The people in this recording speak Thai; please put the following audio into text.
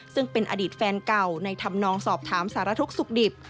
ซึ่งเป็นอดีตแฟนเก่าในธรรมนองสอบถามสารทุกข์สุขดิบ